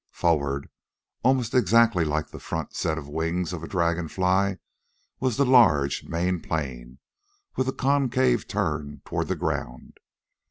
Forward, almost exactly like the front set of wings of the dragon fly, was the large, main plane, with the concave turn toward the ground.